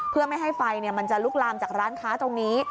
เพื่อไม่ให้ไฟมันจะลุกลามจากร้านค้าตรงนี้